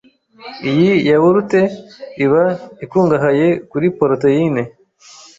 Iyi yawurute iba ikungahaye kuri poroteyine